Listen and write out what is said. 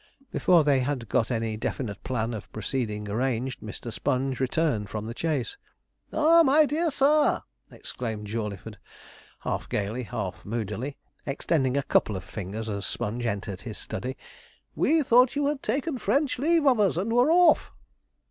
Before they had got any definite plan of proceeding arranged, Mr. Sponge returned from the chase. 'Ah, my dear sir!' exclaimed Jawleyford, half gaily, half moodily, extending a couple of fingers as Sponge entered his study: 'we thought you had taken French leave of us, and were off.'